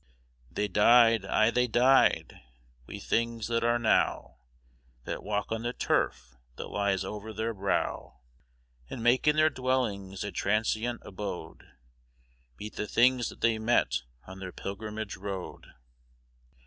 They died, ay, they died: we things that are now, That walk on the turf that lies over their brow, And make in their dwellings a transient abode, Meet the things that they met on their pilgrimage road.